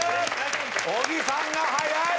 小木さんが速い！